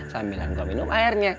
sambilan gue minum airnya